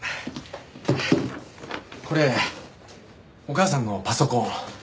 これお母さんのパソコン。